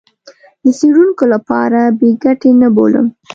د څېړونکو لپاره بې ګټې نه بولم.